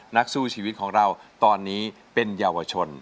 นักสู้ชีวิตของเราตอนนี้เป็นเยาวชน